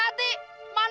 mana rani yang sempurna